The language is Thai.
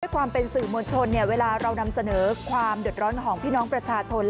ความเป็นสื่อมวลชนเวลาเรานำเสนอความเดือดร้อนของพี่น้องประชาชน